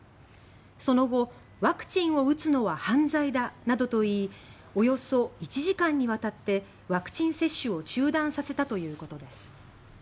その後、ワクチンを打つのは犯罪だなどと言いおよそ１時間にわたってワクチン接種を中断させたということです。